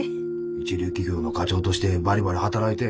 一流企業の課長としてバリバリ働いて。